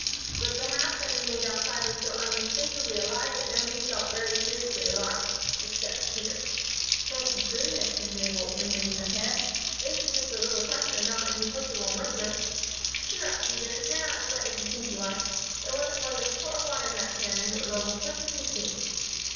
But the half that remained outside was so unmistakably alive that nobody felt very seriously alarmed except Peter. "Thank goodness!" said Mabel, removing the pan, "this is just a little Tucker and not any Percival Mercer! Cheer up, Peter. You're not as wet as you think you are. There wasn't more than a quart of water in that pan and it was almost perfectly clean."